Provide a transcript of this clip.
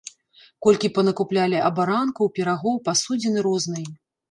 Колькі панакуплялі абаранкаў, пірагоў, пасудзіны рознай.